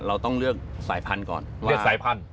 เราต้องเลือกสายพันธุ์ก่อนเลือกสายพันธุ